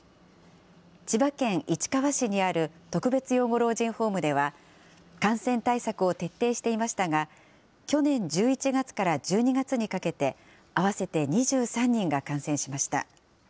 千葉県市川市にある特別養護老人ホームでは感染対策を徹底していましたが、去年１１月から１２月にかけて、合わせて２３人が感染しました。